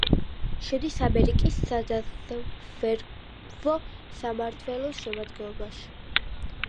შედის ამერიკის სადაზვერვო სამმართველოს შემადგენლობაში.